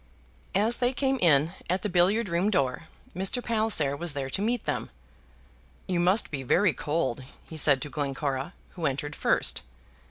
As they came in at the billiard room door, Mr. Palliser was there to meet them. "You must be very cold," he said to Glencora, who entered first.